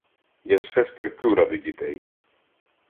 Я все стерплю ради дітей!